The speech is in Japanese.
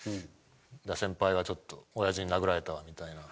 先輩が「ちょっと親父に殴られたわ」みたいな。